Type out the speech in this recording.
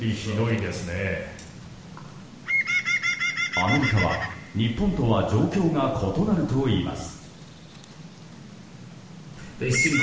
アメリカは日本とは状況が異なるといいます。